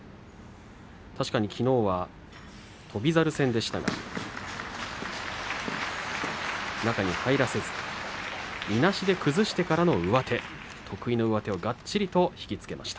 確かに、きのうは翔猿戦でしたが中に入らせず、いなしで崩してからの上手得意の上手をがっちりと引き付けました。